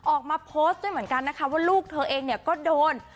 ออกมาโพสต์ด้วยเหมือนกันนะคะว่าลูกเธอเองเนี่ยก็โดน